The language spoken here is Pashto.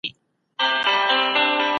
ماشومان او ښځې جزيه نه ورکوي.